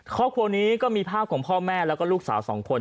ครอบครัวนี้ก็มีภาพของพ่อแม่แล้วก็ลูกสาวสองคน